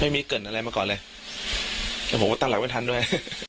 ไม่มีเกิดอะไรมาก่อนเลยแล้วผมก็ตั้งหลักไม่ทันด้วย